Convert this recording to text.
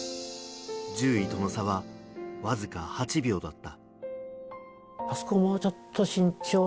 １０位との差はわずか８秒だった。